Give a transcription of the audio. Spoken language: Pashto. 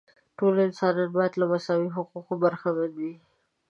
ټول انسانان باید له مساوي حقوقو برخمن وي.